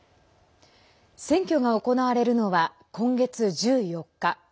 選挙が行われるのは今月１４日。